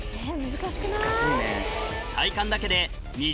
難しいね。